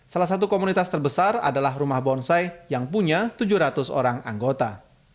salah satu komunitas terbesar adalah rumah bonsai yang punya tujuh ratus orang anggota